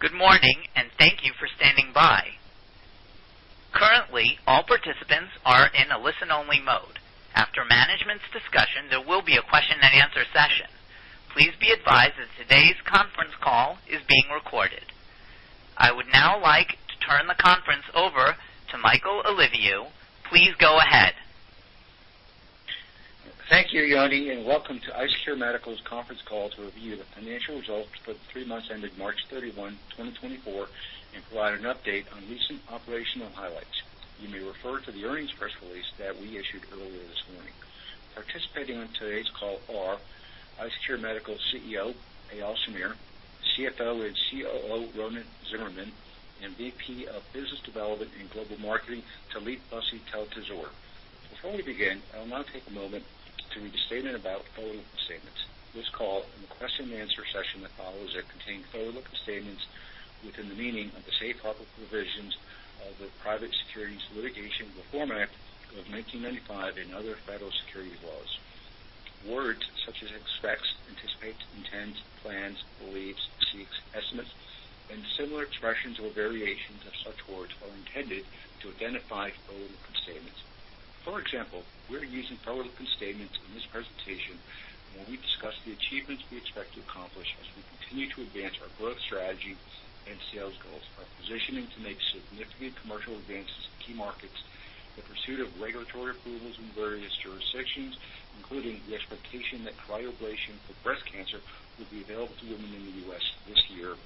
Good morning, and thank you for standing by. Currently, all participants are in a listen-only mode. After management's discussion, there will be a question-and-answer session. Please be advised that today's conference call is being recorded. I would now like to turn the conference over to Michael Polyviou. Please go ahead. Thank you, Yanni, and welcome to IceCure Medical's conference call to review the financial results for the three months ended March 31, 2024, and provide an update on recent operational highlights. You may refer to the earnings press release that we issued earlier this morning. Participating on today's call are IceCure Medical's CEO, Eyal Shamir; CFO and COO, Ronen Tsimerman; and VP of Business Development and Global Marketing, Tali Pasi. Before we begin, I will now take a moment to read a statement about forward-looking statements. This call and the question-and-answer session that follows that contain forward-looking statements within the meaning of the safe harbor provisions of the Private Securities Litigation Reform Act of 1995 and other federal securities laws. Words such as expects, anticipate, intends, plans, believes, seeks, estimates, and similar expressions or variations of such words are intended to identify forward-looking statements. For example, we're using forward-looking statements in this presentation when we discuss the achievements we expect to accomplish as we continue to advance our growth strategy and sales goals. Our positioning to make significant commercial advances in key markets, the pursuit of regulatory approvals in various jurisdictions, including the expectation that cryoablation for breast cancer will be available to women in the U.S. this year.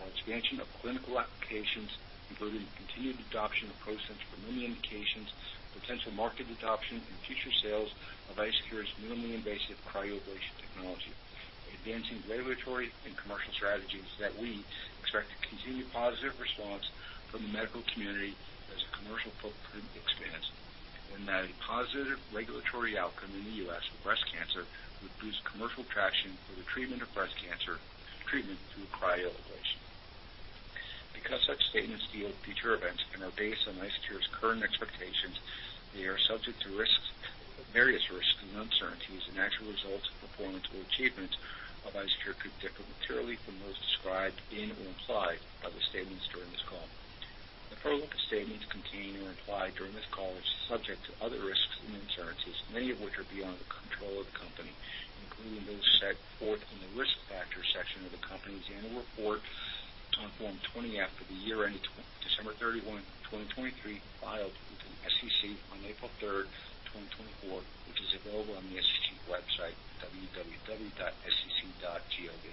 Our expansion of clinical applications, including continued adoption of ProSense for limited indications, potential market adoption, and future sales of IceCure's minimally invasive cryoablation technology. Advancing regulatory and commercial strategies that we expect to continue positive response from the medical community as a commercial footprint expands, and that a positive regulatory outcome in the U.S. for breast cancer would boost commercial traction for the treatment of breast cancer treatment through cryoablation. Because such statements deal with future events and are based on IceCure's current expectations, they are subject to risks-- various risks and uncertainties, and actual results or performance or achievements of IceCure could differ materially from those described in or implied by the statements during this call. The forward-looking statements contained or implied during this call are subject to other risks and uncertainties, many of which are beyond the control of the company, including those set forth in the Risk Factors section of the company's annual report on Form 20-F for the year ended December 31, 2023, filed with the SEC on April 3, 2024, which is available on the SEC website, www.sec.gov.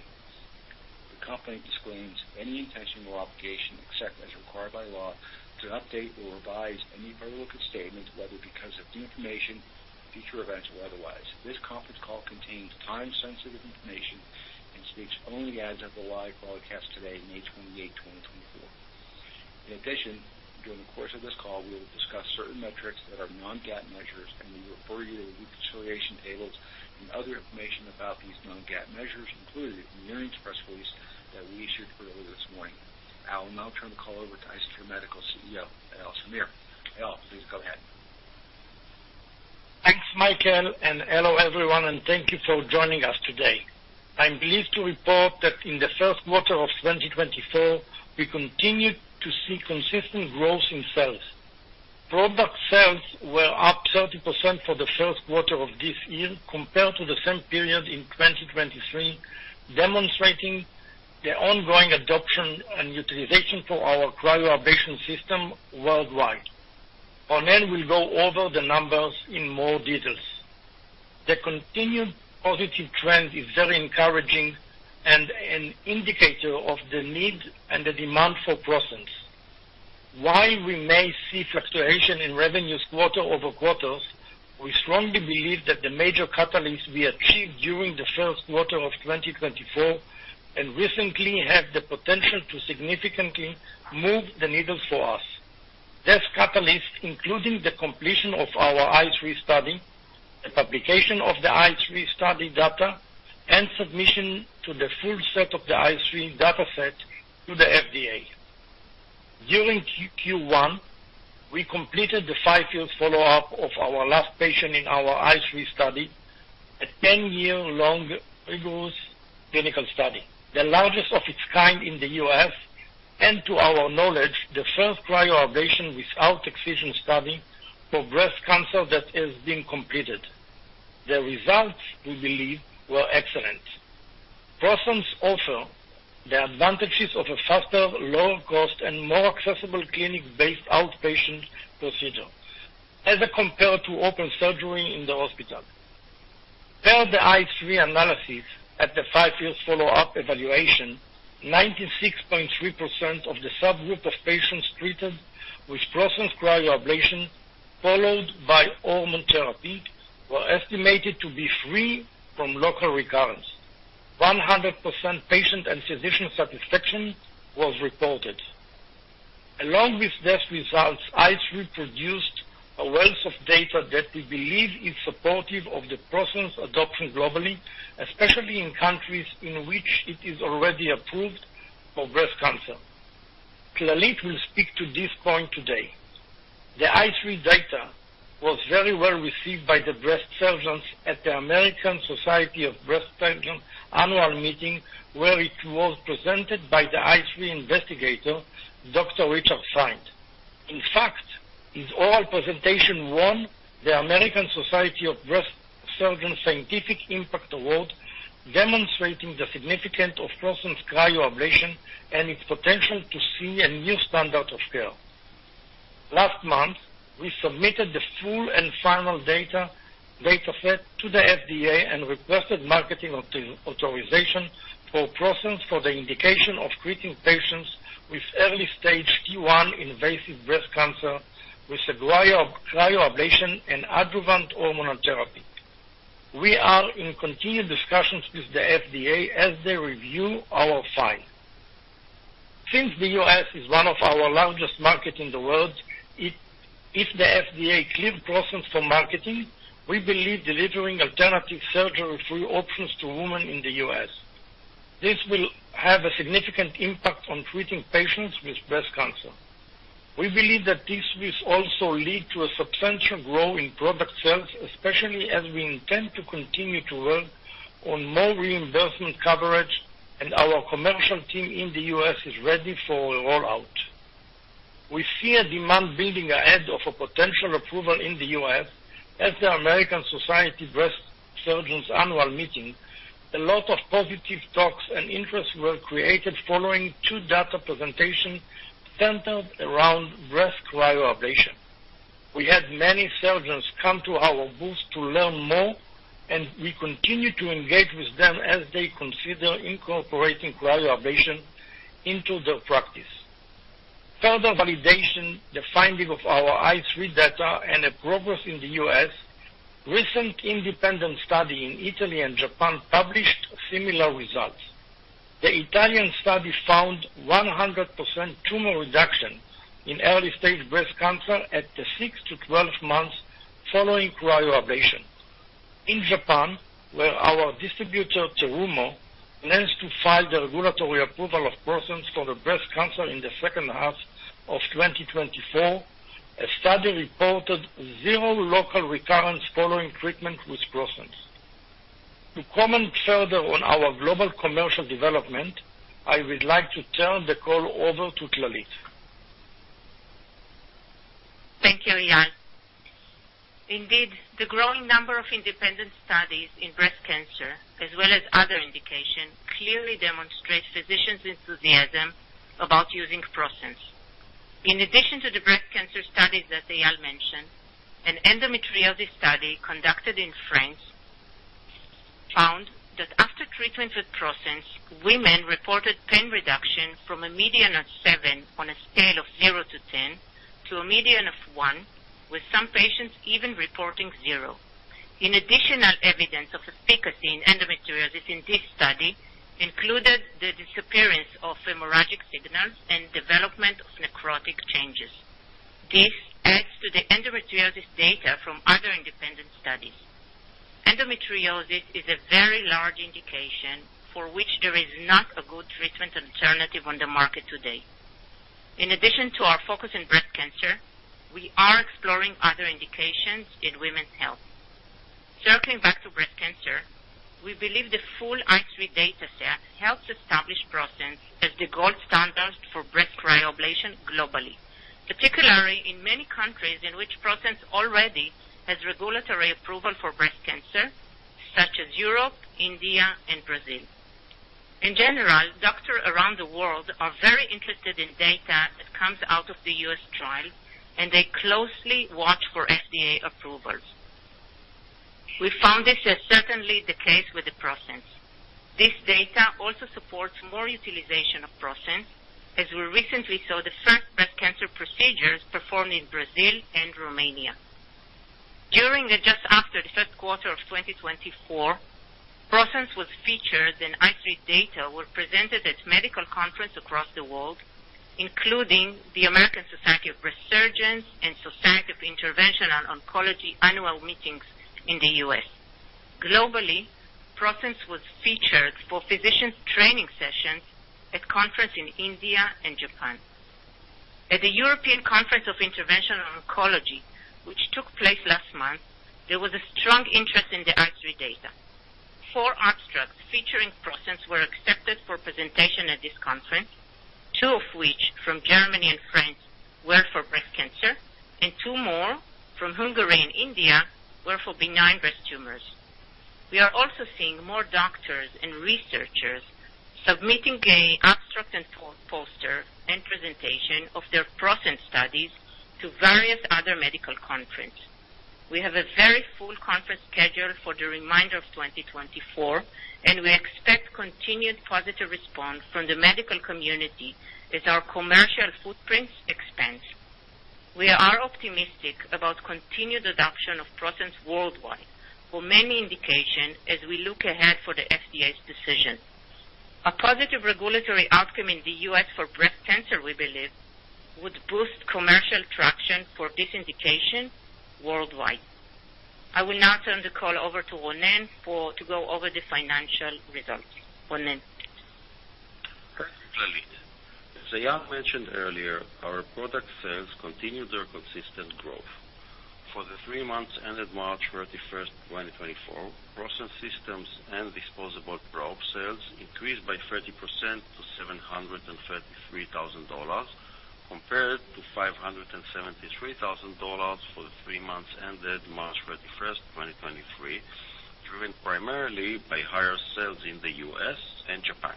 The company disclaims any intention or obligation, except as required by law, to update or revise any forward-looking statements, whether because of new information, future events, or otherwise. This conference call contains time-sensitive information and speaks only as of the live broadcast today, May 28, 2024. In addition, during the course of this call, we will discuss certain metrics that are non-GAAP measures, and we refer you to the reconciliation tables and other information about these non-GAAP measures, included in the earnings press release that we issued earlier this morning. I will now turn the call over to IceCure Medical's CEO, Eyal Shamir. Eyal, please go ahead. Thanks, Michael, and hello, everyone, and thank you for joining us today. I'm pleased to report that in the first quarter of 2024, we continued to see consistent growth in sales. Product sales were up 30% for the first quarter of this year compared to the same period in 2023, demonstrating the ongoing adoption and utilization for our cryoablation system worldwide. Ronen will go over the numbers in more details. The continued positive trend is very encouraging and an indicator of the need and the demand for ProSense. While we may see fluctuation in revenues quarter over quarters, we strongly believe that the major catalysts we achieved during the first quarter of 2024 and recently have the potential to significantly move the needle for us. These catalysts, including the completion of our ICE3 study, the publication of the ICE3 study data, and submission to the full set of the ICE3 data set to the FDA. During Q1, we completed the 5-year follow-up of our last patient in our ICE3 study, a 10-year-long rigorous clinical study, the largest of its kind in the U.S., and to our knowledge, the first cryoablation without excision study for breast cancer that has been completed. The results, we believe, were excellent. ProSense offer the advantages of a faster, lower cost, and more accessible clinic-based outpatient procedure as they compare to open surgery in the hospital. Per the ICE3 analysis, at the 5-year follow-up evaluation, 96.3% of the subgroup of patients treated with ProSense cryoablation, followed by hormone therapy, were estimated to be free from local recurrence. 100% patient and physician satisfaction was reported. Along with these results, ICE3 produced a wealth of data that we believe is supportive of the ProSense adoption globally, especially in countries in which it is already approved for breast cancer.... Tali will speak to this point today. The ICE3 data was very well received by the breast surgeons at the American Society of Breast Surgeons annual meeting, where it was presented by the ICE3 investigator, Dr. Richard Fine. In fact, his oral presentation won the American Society of Breast Surgeons Scientific Impact Award, demonstrating the significance of ProSense cryoablation and its potential to see a new standard of care. Last month, we submitted the full and final data dataset to the FDA and requested marketing authorization for ProSense for the indication of treating patients with early-stage T1 invasive breast cancer with a cryoablation and adjuvant hormonal therapy. We are in continued discussions with the FDA as they review our file. Since the U.S. is one of our largest markets in the world, if the FDA clears ProSense for marketing, we believe delivering alternative surgery-free options to women in the U.S. This will have a significant impact on treating patients with breast cancer. We believe that this will also lead to a substantial growth in product sales, especially as we intend to continue to work on more reimbursement coverage, and our commercial team in the U.S. is ready for a rollout. We see a demand building ahead of a potential approval in the U.S. as the American Society of Breast Surgeons annual meeting. A lot of positive talks and interests were created following two data presentations centered around breast cryoablation. We had many surgeons come to our booth to learn more, and we continue to engage with them as they consider incorporating cryoablation into their practice. Further validation, the finding of our ICE3 data and progress in the US, recent independent study in Italy and Japan published similar results. The Italian study found 100% tumor reduction in early-stage breast cancer at the 6-12 months following cryoablation. In Japan, where our distributor, Terumo, plans to file the regulatory approval of ProSense for the breast cancer in the second half of 2024, a study reported 0 local recurrence following treatment with ProSense. To comment further on our global commercial development, I would like to turn the call over to Tali. Thank you, Eyal. Indeed, the growing number of independent studies in breast cancer, as well as other indications, clearly demonstrate physicians' enthusiasm about using ProSense. In addition to the breast cancer studies that Eyal mentioned, an endometriosis study conducted in France found that after treatment with ProSense, women reported pain reduction from a median of 7 on a scale of 0 to 10, to a median of 1, with some patients even reporting 0. In additional evidence of efficacy in endometriosis in this study included the disappearance of hemorrhagic signals and development of necrotic changes. This adds to the endometriosis data from other independent studies. Endometriosis is a very large indication for which there is not a good treatment alternative on the market today. In addition to our focus in breast cancer, we are exploring other indications in women's health. Circling back to breast cancer, we believe the full ICE3 data set helps establish ProSense as the gold standard for breast cryoablation globally, particularly in many countries in which ProSense already has regulatory approval for breast cancer, such as Europe, India, and Brazil. In general, doctors around the world are very interested in data that comes out of the US trial, and they closely watch for FDA approvals. We found this is certainly the case with the ProSense. This data also supports more utilization of ProSense, as we recently saw the first breast cancer procedures performed in Brazil and Romania. During and just after the first quarter of 2024, ProSense was featured, and ICE3 data were presented at medical conferences across the world, including the American Society of Breast Surgeons and Society of Interventional Oncology annual meetings in the US. Globally, ProSense was featured for physicians' training sessions at conferences in India and Japan. At the European Conference of Interventional Oncology, which took place last month, there was a strong interest in the ICE3 data. Four abstracts featuring ProSense were accepted for presentation at this conference, two of which from Germany and France, were for breast cancer, and two more from Hungary and India were for benign breast tumors. We are also seeing more doctors and researchers submitting an abstract and poster and presentation of their ProSense studies to various other medical conferences. We have a very full conference schedule for the remainder of 2024, and we expect continued positive response from the medical community as our commercial footprint expands. We are optimistic about continued adoption of ProSense worldwide for many indications as we look ahead for the FDA's decision. A positive regulatory outcome in the U.S. for breast cancer, we believe, would boost commercial traction for this indication worldwide.... I will now turn the call over to Ronen for, to go over the financial results. Ronen? Thanks, Tali. As Eyal mentioned earlier, our product sales continued their consistent growth. For the three months ended March 31, 2024, ProSense systems and disposable probe sales increased by 30% to $733,000, compared to $573,000 for the three months ended March 31, 2023, driven primarily by higher sales in the U.S. and Japan.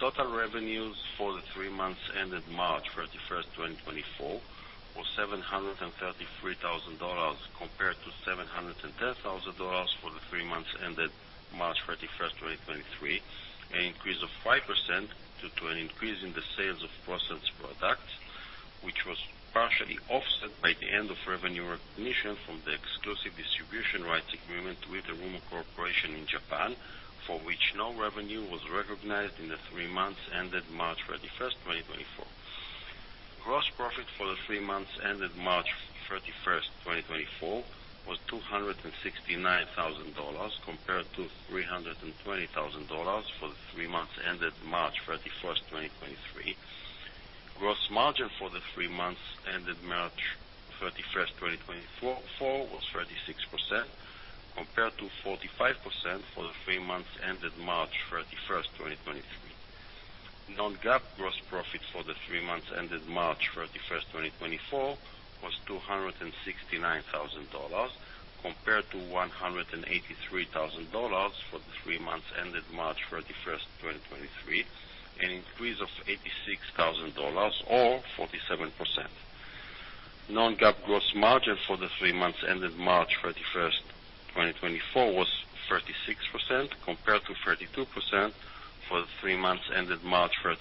Total revenues for the three months ended March 31, 2024, were $733,000, compared to $710,000 for the three months ended March 31, 2023, an increase of 5% due to an increase in the sales of ProSense products, which was partially offset by the end of revenue recognition from the exclusive distribution rights agreement with Terumo Corporation in Japan, for which no revenue was recognized in the three months ended March 31, 2024. Gross profit for the three months ended March 31, 2024, was $269,000, compared to $320,000 for the three months ended March 31, 2023. Gross margin for the three months ended March 31, 2024, was 36%, compared to 45% for the three months ended March 31, 2023. Non-GAAP gross profit for the three months ended March 31, 2024, was $269 thousand, compared to $183 thousand for the three months ended March 31, 2023, an increase of $86 thousand or 47%. Non-GAAP gross margin for the three months ended March 31, 2024, was 36%, compared to 32% for the three months ended March 31,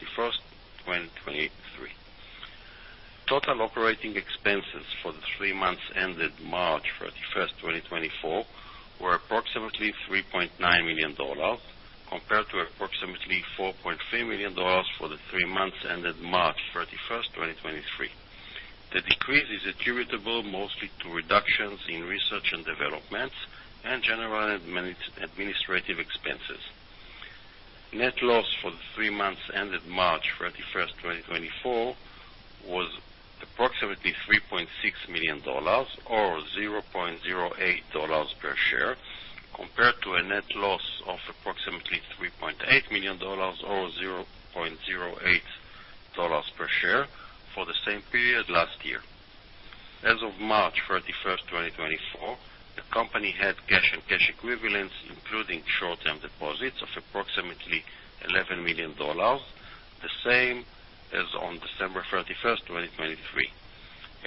2023. Total operating expenses for the three months ended March 31, 2024, were approximately $3.9 million, compared to approximately $4.3 million for the three months ended March 31, 2023. The decrease is attributable mostly to reductions in research and development and general administrative expenses. Net loss for the three months ended March 31, 2024, was approximately $3.6 million, or $0.08 per share, compared to a net loss of approximately $3.8 million, or $0.08 per share for the same period last year. As of March 31, 2024, the company had cash and cash equivalents, including short-term deposits, of approximately $11 million, the same as on December 31, 2023.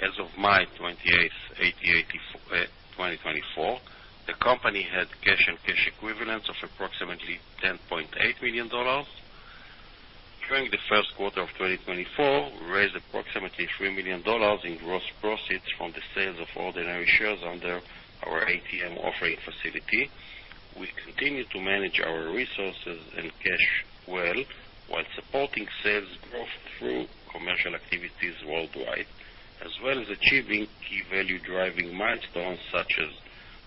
As of May 28, 2024, the company had cash and cash equivalents of approximately $10.8 million. During the first quarter of 2024, we raised approximately $3 million in gross proceeds from the sales of ordinary shares under our ATM offering facility. We continue to manage our resources and cash well, while supporting sales growth through commercial activities worldwide, as well as achieving key value-driving milestones, such as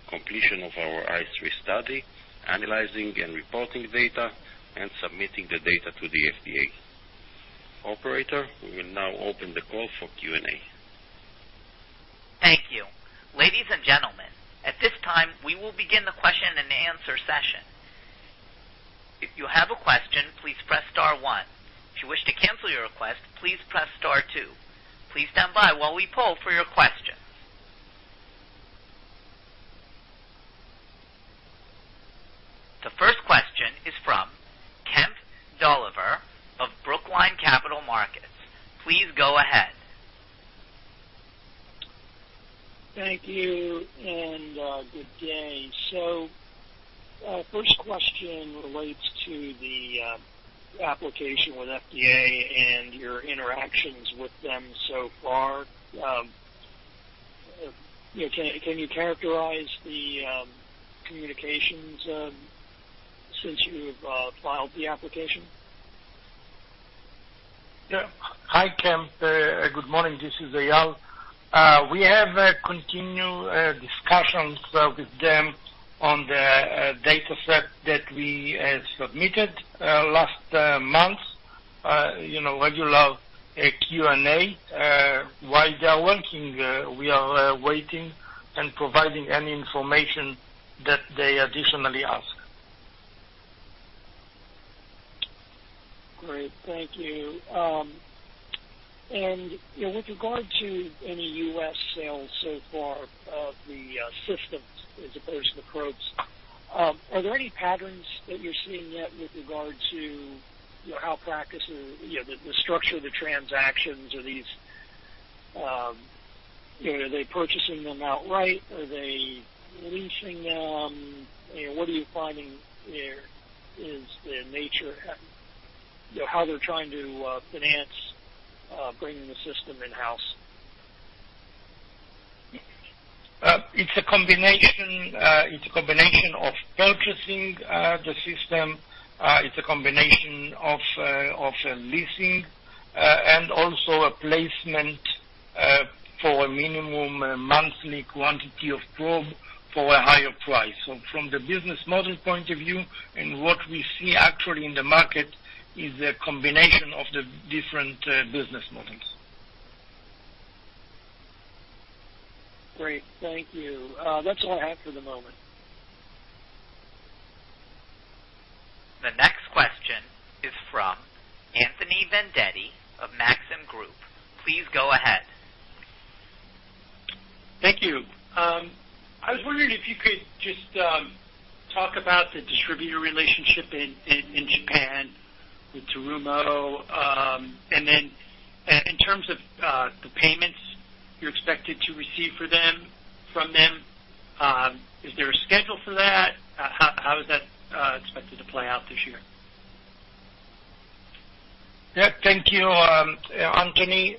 completion of our ICE3 study, analyzing and reporting data, and submitting the data to the FDA. Operator, we will now open the call for Q&A. Thank you. Ladies and gentlemen, at this time, we will begin the question-and-answer session. If you have a question, please press star one. If you wish to cancel your request, please press star two. Please stand by while we poll for your questions. The first question is from Kemp Dolliver of Brookline Capital Markets. Please go ahead. Thank you, and good day. So, first question relates to the application with FDA and your interactions with them so far. Can you characterize the communications since you've filed the application? Yeah. Hi, Kemp. Good morning, this is Eyal. We have continued discussions with them on the data set that we submitted last month. You know, regular Q&A. While they are working, we are waiting and providing any information that they additionally ask. Great. Thank you. And, you know, with regard to any US sales so far of the systems as opposed to the probes, are there any patterns that you're seeing yet with regard to, you know, how practices, you know, the structure of the transactions? Are these, you know, are they purchasing them outright? Are they leasing them? You know, what are you finding there is the nature and, you know, how they're trying to finance bringing the system in-house? It's a combination, it's a combination of purchasing the system, it's a combination of leasing. And also a placement for a minimum monthly quantity of probe for a higher price. So from the business model point of view, and what we see actually in the market, is a combination of the different business models. Great, thank you. That's all I have for the moment. The next question is from Anthony Vendetti of Maxim Group. Please go ahead. Thank you. I was wondering if you could just talk about the distributor relationship in Japan with Terumo. And then, in terms of the payments you're expected to receive for them, from them, is there a schedule for that? How is that expected to play out this year? Yeah, thank you, Anthony.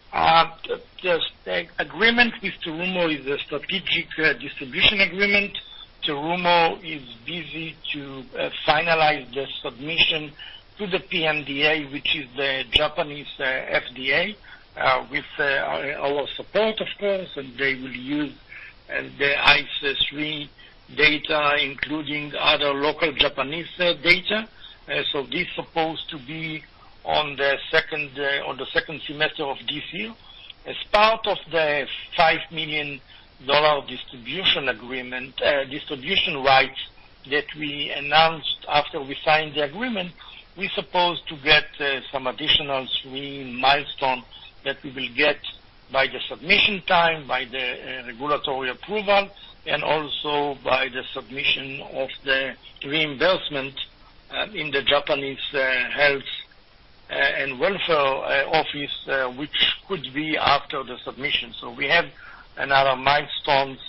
Just the agreement with Terumo is a strategic distribution agreement. Terumo is busy to finalize the submission to the PMDA, which is the Japanese FDA, with our support, of course, and they will use the ICE3 data, including other local Japanese data. So this supposed to be on the second semester of this year. As part of the $5 million distribution agreement, distribution rights that we announced after we signed the agreement, we supposed to get some additional three milestones that we will get by the submission time, by the regulatory approval, and also by the submission of the reimbursement in the Japanese Health and Welfare Office, which could be after the submission. So we have another milestones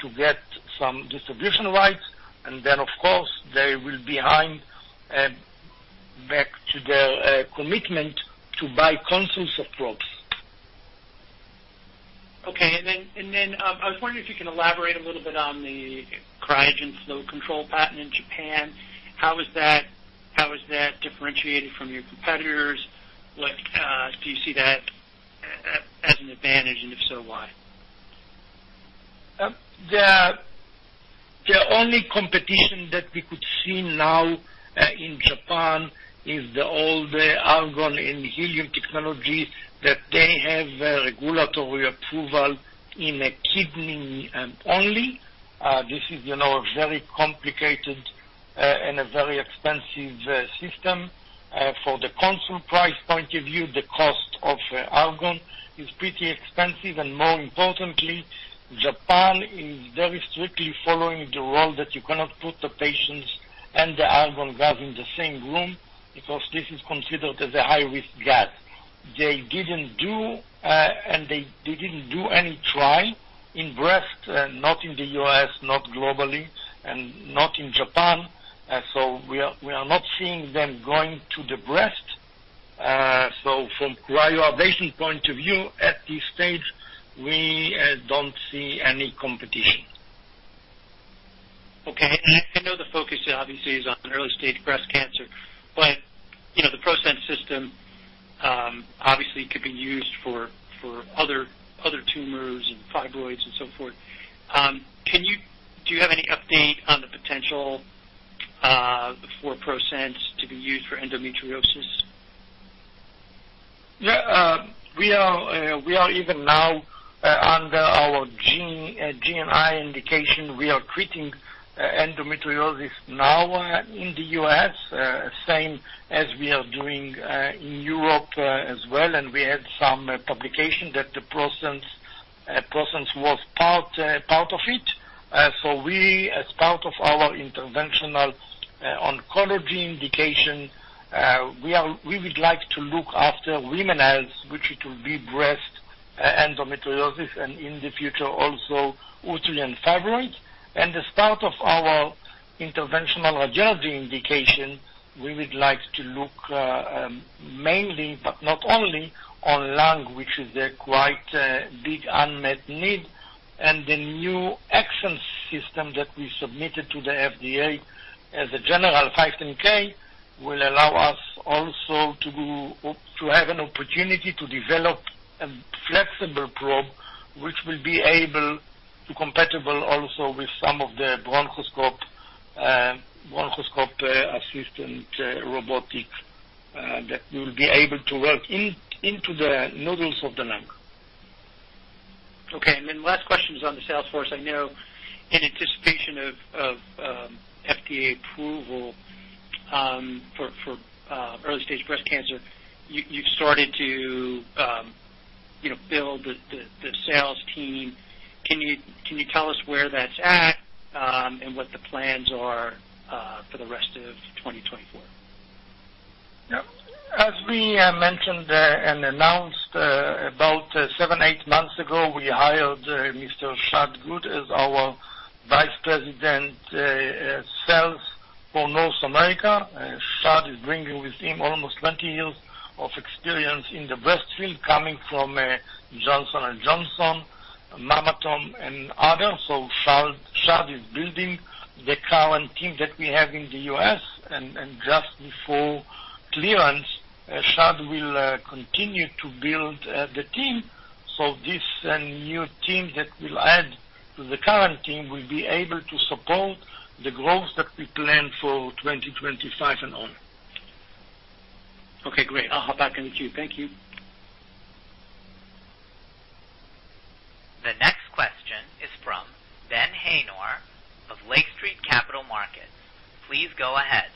to get some distribution rights, and then, of course, they will be bound to their commitment to buy consoles and probes. Okay. Then, I was wondering if you can elaborate a little bit on the cryogen flow control patent in Japan. How is that differentiated from your competitors? What do you see that as an advantage, and if so, why? The only competition that we could see now in Japan is the old argon and helium technology that they have regulatory approval in a kidney only. This is, you know, a very complicated and a very expensive system. For the console price point of view, the cost of argon is pretty expensive, and more importantly, Japan is very strictly following the rule that you cannot put the patients and the argon gas in the same room, because this is considered as a high-risk gas. They didn't do and they didn't do any trial in breast not in the US, not globally, and not in Japan, so we are not seeing them going to the breast. So from cryoablation point of view, at this stage, we don't see any competition. Okay. And I know the focus obviously is on early-stage breast cancer, but, you know, the ProSense system obviously could be used for other tumors and fibroids and so forth. Do you have any update on the potential for ProSense to be used for endometriosis? Yeah, we are even now under our general indication, we are treating endometriosis now in the U.S., same as we are doing in Europe as well, and we had some publication that the ProSense was part of it. So we, as part of our interventional oncology indication, we would like to look after women's health, which it will be breast, endometriosis, and in the future, also uterine fibroid. And as part of our interventional radiology indication, we would like to look mainly, but not only, on lung, which is a quite big unmet need. The new XSense system that we submitted to the FDA as a general 510(k) will allow us also to do, to have an opportunity to develop a flexible probe, which will be able to compatible also with some of the bronchoscope system, robotic, that we will be able to work in, into the nodules of the lung. Okay, and then last question is on the sales force. I know in anticipation of FDA approval for early-stage breast cancer, you've started to, you know, build the sales team. Can you tell us where that's at, and what the plans are for the rest of 2024? Yeah. As we mentioned and announced about seven or eight months ago, we hired Mr. Chad Good as our Vice President of Sales for North America. Chad is bringing with him almost 20 years of experience in the breast field, coming from Johnson & Johnson, Mammotome and others. So Chad is building the current team that we have in the U.S., and just before clearance, Chad will continue to build the team. So this and new team that will add to the current team will be able to support the growth that we plan for 2025 and on. Okay, great. I'll hop back in the queue. Thank you. The next question is from Ben Haynor of Lake Street Capital Markets. Please go ahead.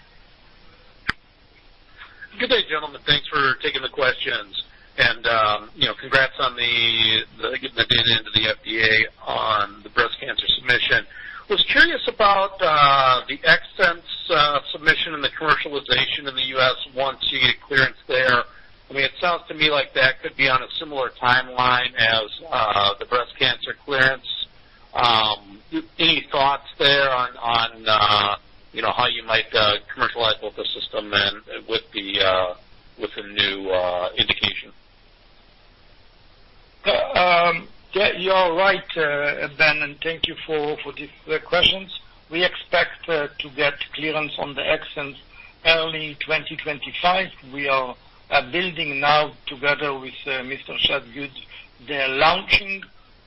Good day, gentlemen. Thanks for taking the questions. And, you know, congrats on getting the bid into the FDA on the breast cancer submission. Was curious about the XSense submission and the commercialization in the U.S. once you get clearance there. I mean, it sounds to me like that could be on a similar timeline as the breast cancer clearance. Any thoughts there on, you know, how you might commercialize both the system and with the new indication? Yeah, you're right, Ben, and thank you for the questions. We expect to get clearance on the XSense early 2025. We are building now together with Mr. Chad Good the launching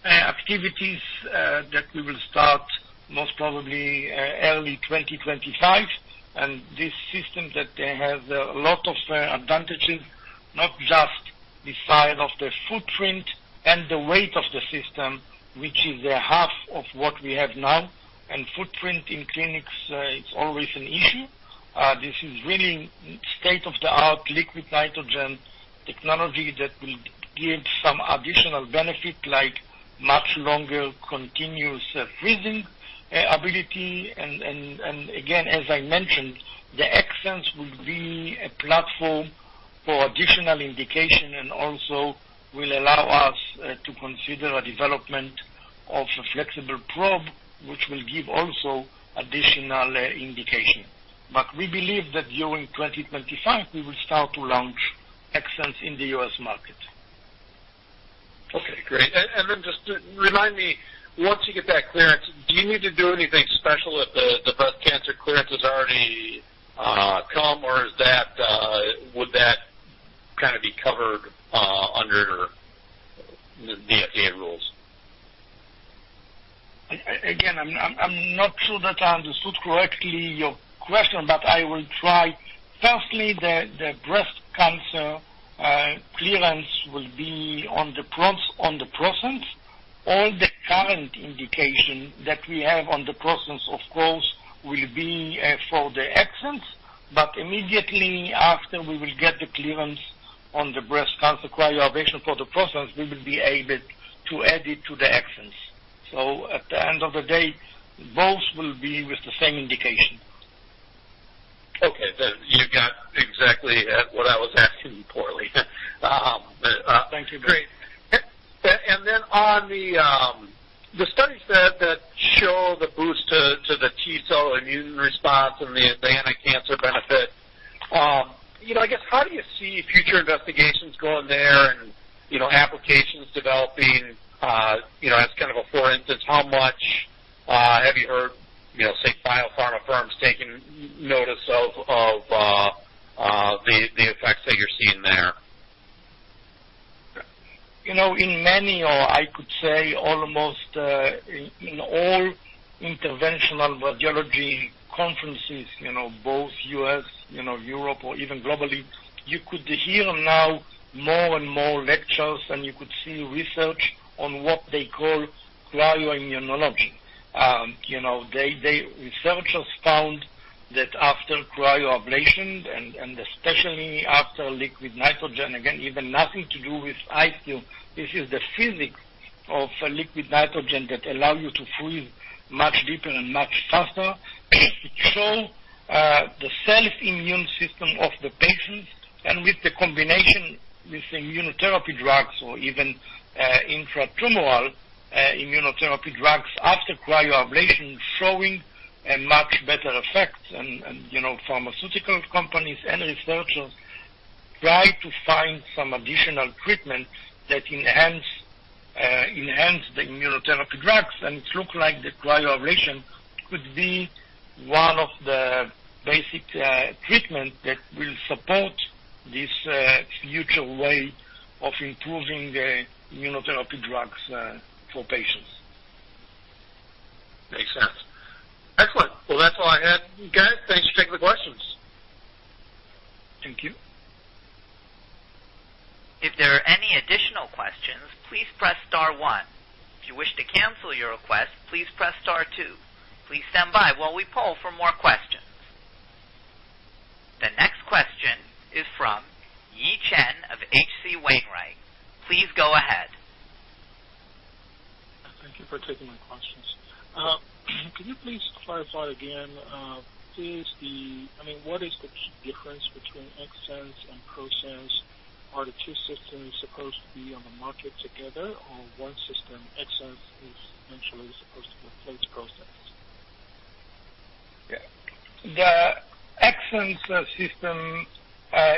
activities that we will start most probably early 2025. And this system that has a lot of advantages, not just the size of the footprint and the weight of the system, which is the half of what we have now, and footprint in clinics, it's always an issue. This is really state-of-the-art liquid nitrogen technology that will give some additional benefit, like much longer continuous freezing ability. And again, as I mentioned, the XSense would be a platform for additional indication and also will allow us to consider a development of a flexible probe, which will give also additional indication. But we believe that during 2025, we will start to launch XSense in the U.S. market. Okay, great. And then just to remind me, once you get that clearance, do you need to do anything special if the breast cancer clearance has already come, or would that kinda be covered under the FDA rules? Again, I'm not sure that I understood correctly your question, but I will try. Firstly, the breast cancer clearance will be on the ProSense. All the current indication that we have on the ProSense, of course, will be for the XSense, but immediately after we will get the clearance on the breast cancer cryoablation for the ProSense, we will be able to add it to the XSense. So at the end of the day, both will be with the same indication. Okay, then you got exactly what I was asking poorly. Thank you. Great. And then on the studies that show the boost to the T-cell immune response and the anti-cancer benefit, you know, I guess, how do you see future investigations going there and, you know, applications developing, you know, as kind of a for instance, how much have you heard, you know, say, biopharma firms taking notice of the effects that you're seeing there? You know, in many, or I could say almost, in all interventional radiology conferences, you know, both U.S., you know, Europe or even globally, you could hear now more and more lectures, and you could see research on what they call cryoimmunology. You know, they researchers found that after cryoablation, and especially after liquid nitrogen, again, even nothing to do with IceCure, this is the physics of liquid nitrogen that allow you to freeze much deeper and much faster. It show the self-immune system of the patients, and with the combination with immunotherapy drugs or even intratumoral immunotherapy drugs after cryoablation, showing a much better effect. And you know, pharmaceutical companies and researchers try to find some additional treatment that enhance, enhance the immunotherapy drugs, and it look like the cryoablation could be one of the basic treatment that will support this future way of improving the immunotherapy drugs for patients. Makes sense. Excellent. Well, that's all I had, you guys. Thanks for taking the questions. Thank you. If there are any additional questions, please press star one. If you wish to cancel your request, please press star two. Please stand by while we poll for more questions. The next question is from Yi Chen of H.C. Wainwright. Please go ahead. Thank you for taking the questions. Can you please clarify again, is the... I mean, what is the key difference between XSense and ProSense? Are the two systems supposed to be on the market together, or one system, XSense, is eventually supposed to replace ProSense?... Yeah. The XSense system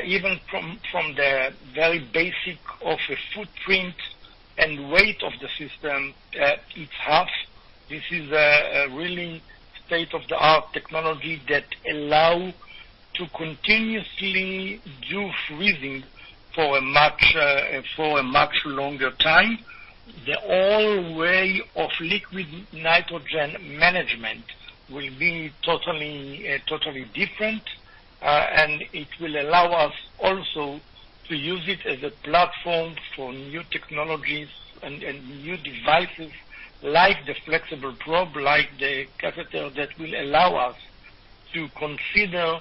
even from the very basic of the footprint and weight of the system, it has, this is a really state-of-the-art technology that allow to continuously do freezing for a much longer time. The whole way of liquid nitrogen management will be totally different, and it will allow us also to use it as a platform for new technologies and new devices, like the flexible probe, like the catheter, that will allow us to consider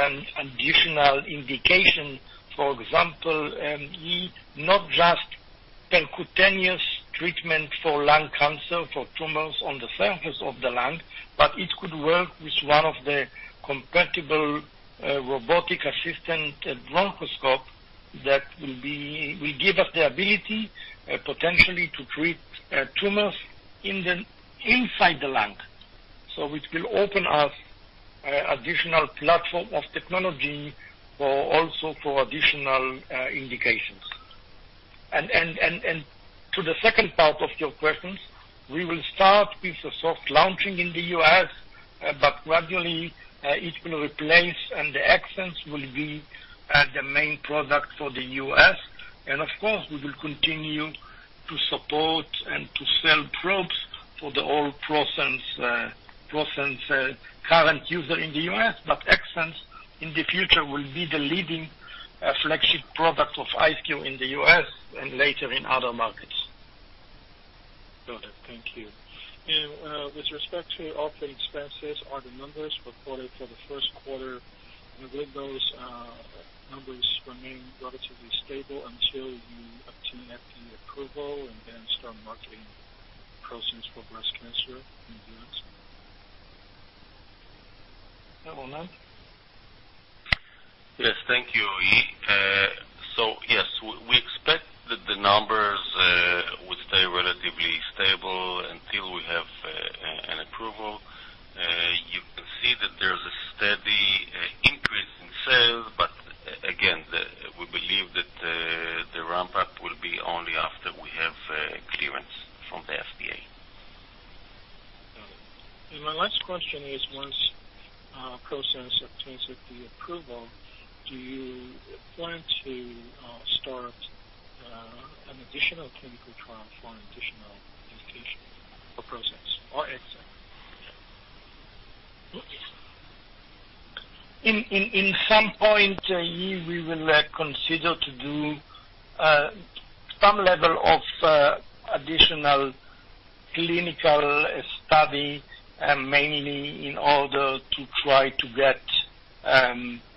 additional indication. For example, Yi, not just percutaneous treatment for lung cancer, for tumors on the surface of the lung, but it could work with one of the compatible robotic-assisted bronchoscope that will give us the ability potentially to treat tumors in the inside the lung. So it will open up additional platform of technology for also for additional indications. And to the second part of your questions, we will start with the soft launching in the U.S., but gradually it will replace, and the XSense will be the main product for the U.S. And of course, we will continue to support and to sell probes for the old ProSense, ProSense, current user in the U.S. But XSense, in the future, will be the leading flagship product of IceCure in the U.S. and later in other markets. Got it. Thank you. And, with respect to operating expenses, are the numbers reported for the first quarter, and will those numbers remain relatively stable until you obtain FDA approval and then start marketing ProSense for breast cancer in the US? Yeah, Ronen. Yes, thank you, Yi. So yes, we expect that the numbers will stay relatively stable until we have an approval. You can see that there's a steady increase in sales, but again, we believe that the ramp-up will be only after we have clearance from the FDA. Got it. My last question is, once ProSense obtains the approval, do you plan to start an additional clinical trial for an additional indication for ProSense or XSense? At some point, Yi, we will consider to do some level of additional clinical study, mainly in order to try to get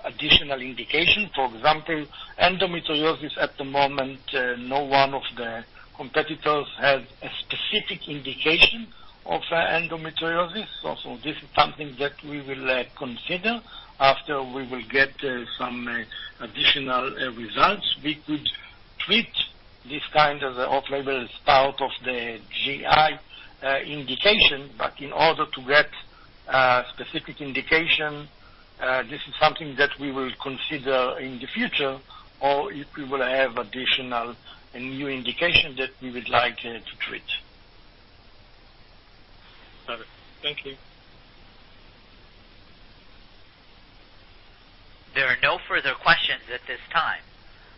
additional indication. For example, endometriosis at the moment, no one of the competitors has a specific indication of endometriosis. Also, this is something that we will consider after we will get some additional results. We could treat this kind of off-label as part of the GI indication, but in order to get specific indication, this is something that we will consider in the future, or if we will have additional and new indications that we would like to treat. Got it. Thank you. There are no further questions at this time.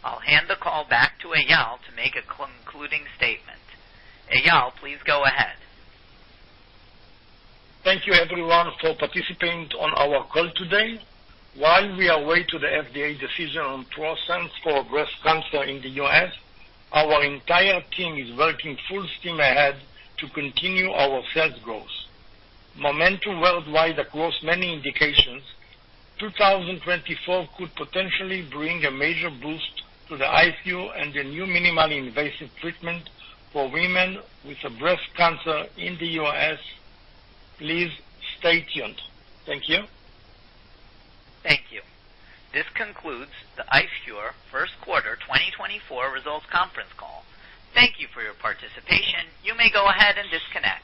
I'll hand the call back to Eyal to make a concluding statement. Eyal, please go ahead. Thank you, everyone, for participating on our call today. While we await to the FDA decision on ProSense for breast cancer in the U.S., our entire team is working full steam ahead to continue our sales growth. Momentum worldwide across many indications, 2024 could potentially bring a major boost to the IceCure and the new minimally invasive treatment for women with breast cancer in the U.S. Please stay tuned. Thank you. Thank you. This concludes the IceCure first quarter 2024 results conference call. Thank you for your participation. You may go ahead and disconnect.